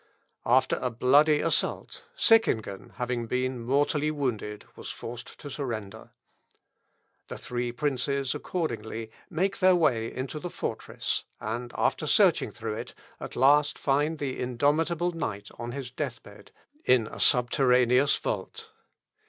After a bloody assault, Seckingen, having been mortally wounded, was forced to surrender. The three princes, accordingly, make their way into the fortress, and, after searching through it, at last find the indomitable knight on his death bed, in a subterraneous vault.